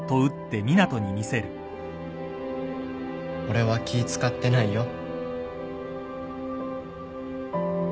俺は気使ってないよ。